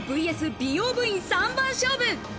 美容部員、３番勝負。